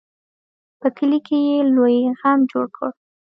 په کلي کې یې لوی غم جوړ کړ.